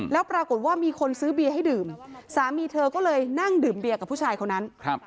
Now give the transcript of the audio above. แล้วปรากฏว่ามีคนซื้อเบียร์ให้ดื่มสามีเธอก็เลยนั่งดื่มเบียร์กับผู้ชายคนนั้น